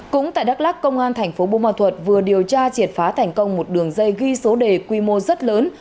cũng tại đắk lắc công an tp bù ma thuật vừa điều tra triệt phá thành công một đường dây ghi số đề quy mô rất lớn